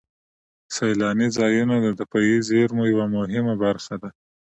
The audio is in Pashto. سیلاني ځایونه د طبیعي زیرمو یوه مهمه برخه ده.